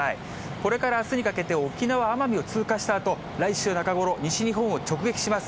これからあすにかけて、沖縄・奄美を通過したあと、来週中頃、西日本を直撃します。